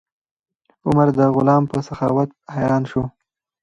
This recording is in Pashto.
عمر د غلام په سخاوت حیران شو.